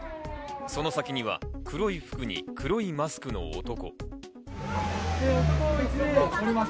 その先には、黒い服に黒いマスクの男。